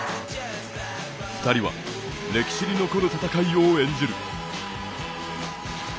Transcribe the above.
２人は歴史に残る戦いを演じる。